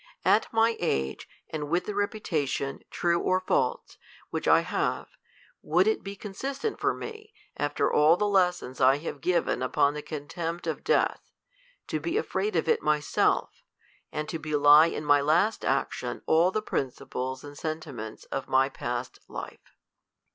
At my age, and with the reputation, true or false, which I have, would it be consistent for me, after all the les sons I have given upon the contempt of death, to be afraid of it myself, and to belie in my last action all the principles and sentiments of my past life